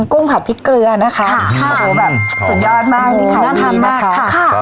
กุ้งผัดพริกเกลือนะคะค่ะโอ้แบบสุดยอดมากน่าทำมากค่ะ